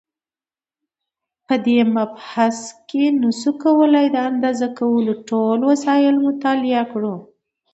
په دې مبحث کې نشو کولای د اندازه کولو ټول وسایل مطالعه کړو.